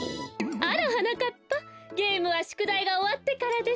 あらはなかっぱゲームはしゅくだいがおわってからでしょ。